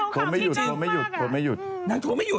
ถูกจริงมากอะนางโทรไม่หยุด